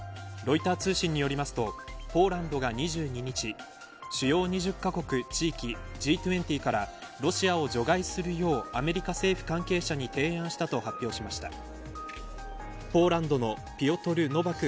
ロイター通信によりますとポーランドが２２日主要２０カ国地域、Ｇ２０からロシアを除外するようアメリカ政府関係者に提案したと発表しました。